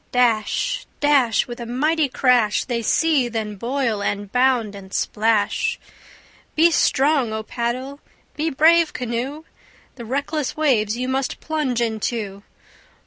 Dash, dash, With a mighty crash, They seethe, and boil, and bound, and splash. Be strong, O paddle! be brave, canoe! The reckless waves you must plunge into.